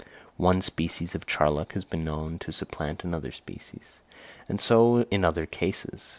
One species of charlock has been known to supplant another species; and so in other cases.